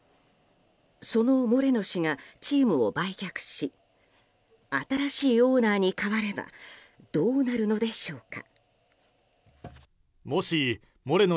そのモレノ氏がチームを売却し新しいオーナーに代わればどうなるのでしょうか。